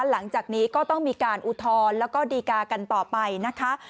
หลังจากนี้ก็ต้องมีการอุทธรณ์แล้วก็ดีกากันต่อไปนะคะ